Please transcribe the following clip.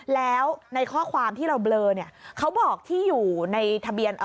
แล้วในข้อความที่เราเบลอเนี่ยเขาบอกที่อยู่ในทะเบียน